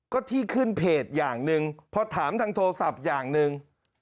ก็ที่ขึ้นเพจอย่างหนึ่งพอถามทางโทรศัพท์อย่างหนึ่ง